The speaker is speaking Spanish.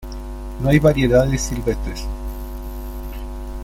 No hay variedades silvestres.